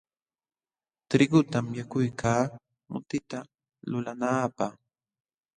Trigutam yakuykaa mutita lulanaapaq.